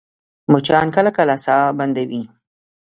مچان کله کله ساه بندوي